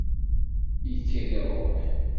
Yekker iruḥ.